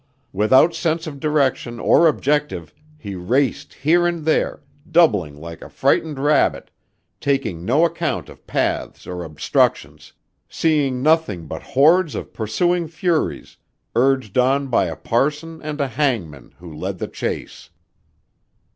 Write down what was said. Without sense of direction or objective he raced here and there, doubling like a frightened rabbit, taking no account of paths or obstructions, seeing nothing but hordes of pursuing furies urged on by a parson and a hangman who led the chase.